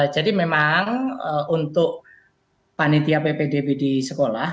jadi memang untuk panitia ppdb di sekolah